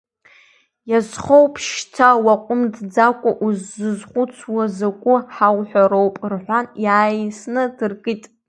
Иазхоуп шьҭа, уааҟәымҵӡакәа узызхәыцуа закәу ҳауҳәароуп, — рҳәан, иааисны дыркит.